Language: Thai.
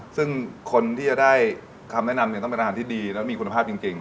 ซึ่งคนที่จะได้คำแนะนำเนี่ยต้องเป็นอาหารที่ดีและมีคุณภาพจริง